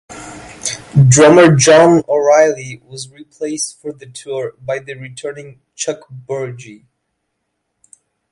Drummer John O'Reilly was replaced for the tour by the returning Chuck Burgi.